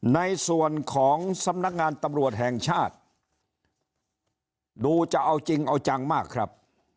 ในส่วนของสำนักงานตำรวจแห่งชาติดูจะเอาจริงเอาจังมากครับ